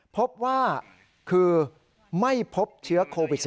พบว่าคือไม่พบเชื้อโควิด๑๙